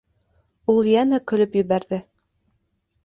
Ул йәнә көлөп ебәрҙе.